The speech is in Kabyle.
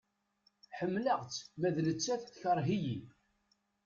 Ḥemleɣ-tt ma d nettat tekreh-iyi.